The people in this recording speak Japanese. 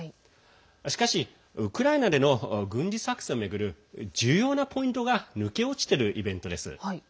しかし、ウクライナでの軍事作戦を巡る重要なポイントが抜け落ちてるイベントです。